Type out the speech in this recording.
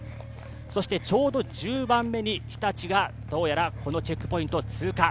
そしてちょうど１０番目に日立がどうやらこのチェックポイントを通過。